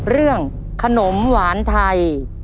เรื่องขนมหวานไทย